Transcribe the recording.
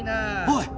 おい！